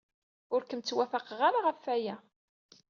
Ur kem-ttwafaqeɣ ara ɣef waya.